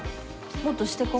もっとしてこ。